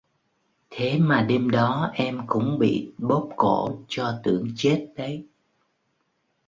Thế mà đêm đó Em cũng bị bóp cổ cho tưởng chết đấy